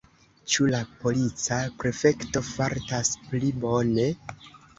Ĉu la polica prefekto fartas pli bone?